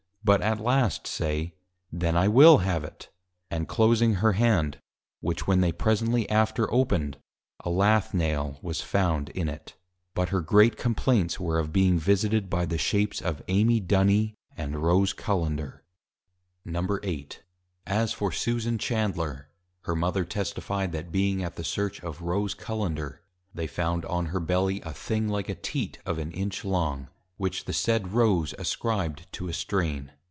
_ but at last say, Then I will have it! and closing her Hand, which when they presently after opened, a Lath Nail was found in it. But her great Complaints were of being Visited by the shapes of Amy Duny, and Rose Cullender. VIII. As for Susan Chandler, her Mother Testified, That being at the search of Rose Cullender, they found on her Belly a thing like a Teat, of an Inch long; which the said Rose ascribed to a strain.